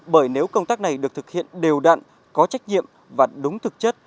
bởi nếu công tác này được thực hiện đều đặn có trách nhiệm và đúng thực chất